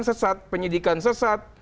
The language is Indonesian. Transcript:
sesat penyidikan sesat